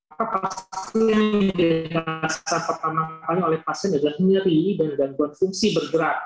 maka pasien yang dirasa pertama kali oleh pasien adalah nyeri dan bergantung fungsi bergerak